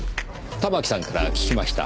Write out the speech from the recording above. たまきさんから聞きました。